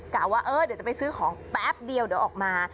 ว่าเออเดี๋ยวจะไปซื้อของแป๊บเดียวเดี๋ยวออกมา